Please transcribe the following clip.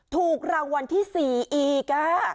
ถูกรางวัลที่๔อีก